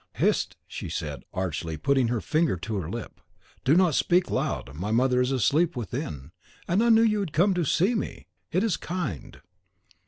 "Hist!" she said, archly putting her finger to her lip; "do not speak loud, my mother is asleep within; and I knew you would come to see me. It is kind!"